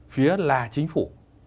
phía là chính phủ